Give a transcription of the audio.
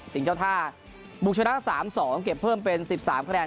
สิ่งเจ้าท่าบุคชนะสามสองเก็บเพิ่มเป็นสิบสามคะแนน